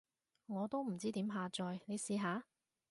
我都唔知點下載，你試下？